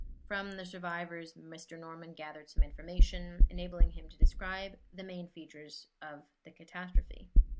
From the survivors Mr. Norman gathered some information, enabling him to describe the main features of the catastrophe.